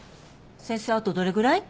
先生あとどれぐらい？